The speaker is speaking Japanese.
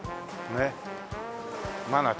ねっ。